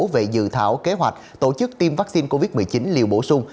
về dự thảo kế hoạch tổ chức tiêm vaccine covid một mươi chín liều bổ sung